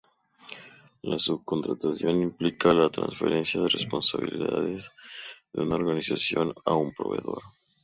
La subcontratación implica a la trasferencia de responsabilidades de una organización a un proveedor.